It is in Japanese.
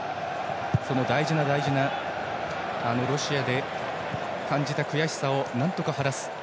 その大事な大事なあのロシアで感じた悔しさをなんとか晴らす